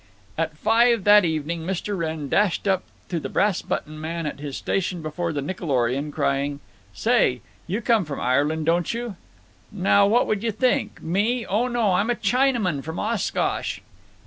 At five that evening Mr. Wrenn dashed up to the Brass button Man at his station before the Nickelorion, crying: "Say! You come from Ireland, don't you?" "Now what would you think? Me—oh no; I'm a Chinaman from Oshkosh!"